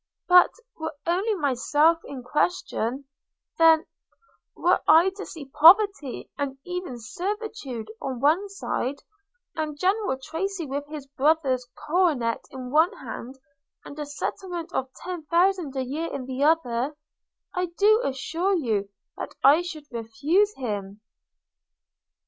'But were only myself in question; then, were I to see poverty and even servitude on one side, and General Tracy with his brother's coronet in one hand, and a settlement of ten thousand a year in the other, I do assure you that I should refuse him.'